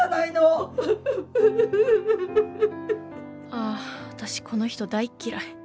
「あああたしこの人大っ嫌い。